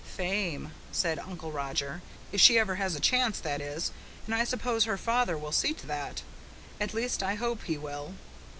"Fame," said Uncle Roger. "If she ever has a chance, that is, and I suppose her father will see to that. At least, I hope he will.